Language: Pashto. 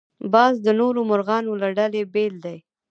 باز د نورو مرغانو له ډلې بېل دی